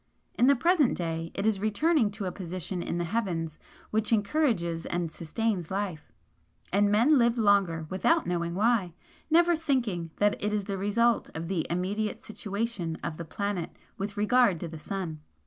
In the present day it is returning to a position in the heavens which encourages and sustains life and men live longer without knowing why, never thinking that it is the result of the immediate situation of the planet with regard to the sun.